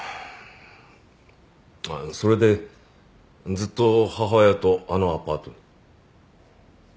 それでずっと母親とあのアパートに？